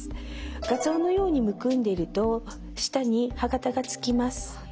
画像のようにむくんでいると舌に歯形がつきます。